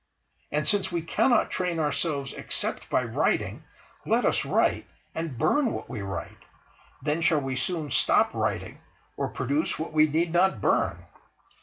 And since we cannot train ourselves except by writing, let us write, and burn what we write; then shall we soon stop writing, or produce what we need not burn!